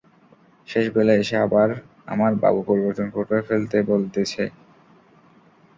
শেষ বেলায় এসে আমার বাবু পরিবর্তন করে ফেলতে বলতেছে।